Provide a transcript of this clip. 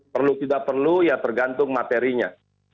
perlu tidak perlu ya tergantung materinya